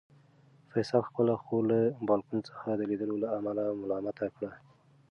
فیصل خپله خور له بالکن څخه د لیدلو له امله ملامته کړه.